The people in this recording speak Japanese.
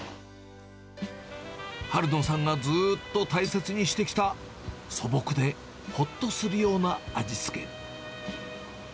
春野さんがずーっと大切にしてきた、素朴でほっとするような味付け。